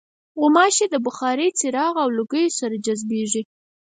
غوماشې د بخارۍ، څراغ او لوګیو سره جذبېږي.